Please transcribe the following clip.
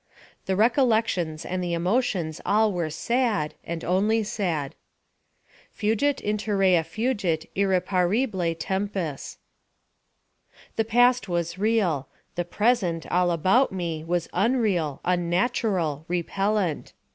The recollections and the emotions all were sad, and only sad. Fugit, interea fugit irreparabile tempus. The past was real. The present, all about me, was unreal, unnatural, repellant.